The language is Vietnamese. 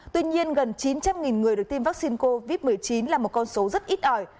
tuy nhiên gần chín trăm linh người được tiêm vaccine covid một mươi chín là một con số rất ít ỏi